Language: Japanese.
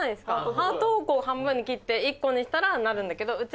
ハートを半分に切って１個にしたらなるんだけどうち